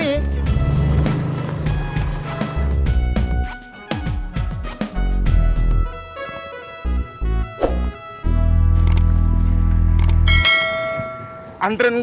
bcht jadi drawers dulu ya